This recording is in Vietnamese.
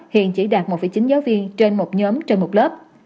hiện chỉ đạt một chín giáo viên trên một nhóm trên một lớp